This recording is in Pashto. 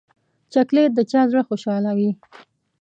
چاکلېټ د چا زړه خوشحالوي.